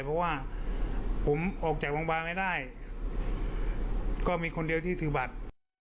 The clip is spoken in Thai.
เพราะว่าผมออกจากโรงพยาบาลไม่ได้ก็มีคนเดียวที่ถือบัตร